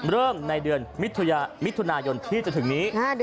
เริ่มในเดือนมิถุนายนที่จะถึงนี้